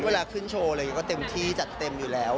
เวลาขึ้นโชว์อะไรอย่างนี้ก็เต็มที่จัดเต็มอยู่แล้ว